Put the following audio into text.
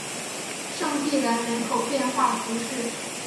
圣蒂兰人口变化图示